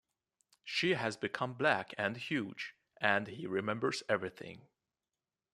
She has become black and huge, and he remembers everything.